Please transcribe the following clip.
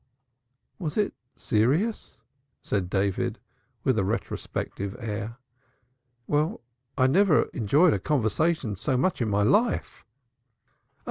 "Was it serious?" said David with a retrospective air. "Well, I never enjoyed a conversation so much in my life."